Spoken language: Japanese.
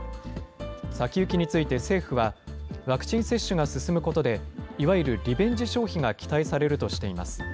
先行きについて政府は、ワクチン接種が進むことで、いわゆるリベンジ消費が期待されるとしています。